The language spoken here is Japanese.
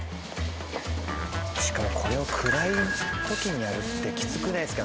これを暗い時にやるってきつくないですか？